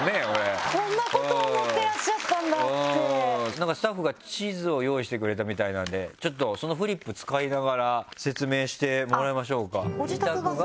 なんかスタッフが地図を用意してくれたみたいなんでそのフリップ使いながら説明してもらいましょうか。